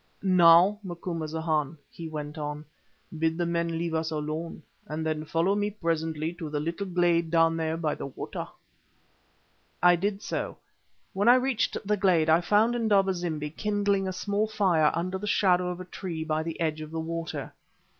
"Now, Macumazahn," he went on, "bid the men leave us alone, and then follow me presently to the little glade down there by the water." I did so. When I reached the glade I found Indaba zimbi kindling a small fire under the shadow of a tree by the edge of the water.